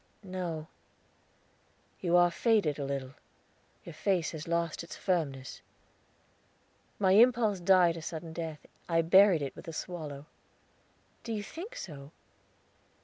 "No." "You are faded a little. Your face has lost its firmness." My impulse died a sudden death. I buried it with a swallow. "Do you think so?"